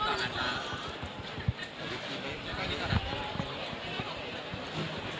แอร์จ่ะได้หลวงใครนะคะ